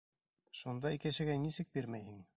Шундай кешегә нисек бирмәйһең?